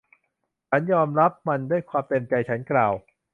ฉันยอมรับมันด้วยความเต็มใจ ฉันกล่าว